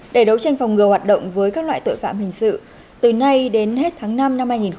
để đấu tranh phòng ngừa hoạt động với các loại tội phạm hình sự từ nay đến hết tháng năm năm hai nghìn hai mươi bốn